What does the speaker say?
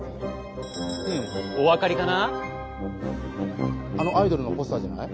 うんお分かりかな？